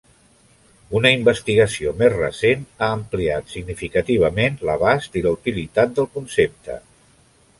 Una investigació més recent ha ampliat significativament l'abast i la utilitat del concepte.